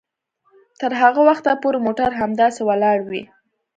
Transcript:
تر هغه وخته پورې موټر همداسې ولاړ وي